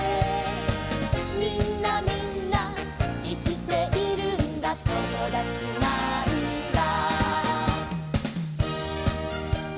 「みんなみんないきているんだともだちなんだ」